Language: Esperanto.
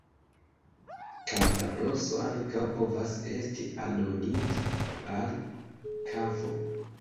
Kalvadoso ankaŭ povas esti aldonita al kafo.